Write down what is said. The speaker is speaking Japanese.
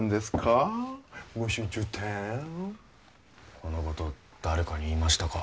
このこと誰かに言いましたか？